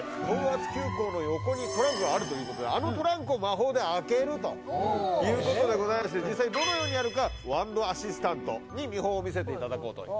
ホグワーツ急行の横にトランクがあるということであのトランクを魔法で開けるということで実際どのようにやるかワンド・アシスタントに見本を見せていただこうと。